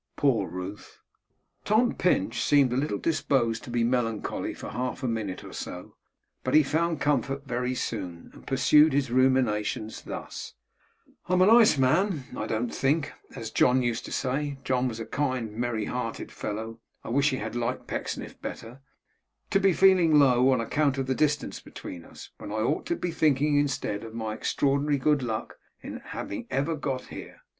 Poor Ruth!' Tom Pinch seemed a little disposed to be melancholy for half a minute or so, but he found comfort very soon, and pursued his ruminations thus: 'I'm a nice man, I don't think, as John used to say (John was a kind, merry hearted fellow; I wish he had liked Pecksniff better), to be feeling low, on account of the distance between us, when I ought to be thinking, instead, of my extraordinary good luck in having ever got here.